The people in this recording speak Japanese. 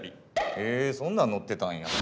へえそんなん載ってたんや。